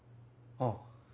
ああ。